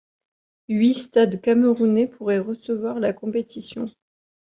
Huit stades camerounais pourraient recevoir la compétition.